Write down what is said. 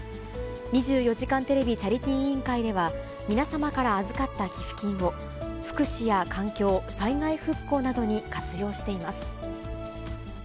２４時間テレビチャリティー委員会では、皆様から預かった寄付金を、福祉や環境、災害復興などに活用しています。